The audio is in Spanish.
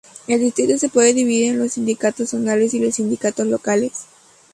El distrito se puede dividir en los sindicatos zonales y los sindicatos locales.